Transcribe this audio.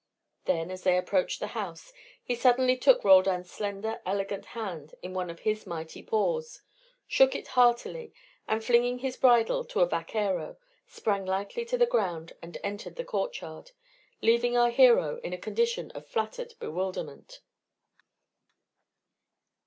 Then as they approached the house he suddenly took Roldan's slender elegant hand in one of his mighty paws, shook it heartily, and flinging his bridle to a vaquero, sprang lightly to the ground and entered the courtyard, leaving our hero in a condition of flattered bewilderment.